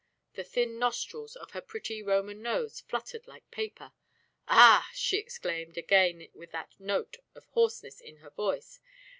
The thin nostrils of her pretty Roman nose fluttered like paper. "Ah!" she exclaimed, again with that note of hoarseness in her voice.